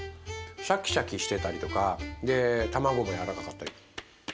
シャキシャキしてたりとかでたまごも柔らかかったり。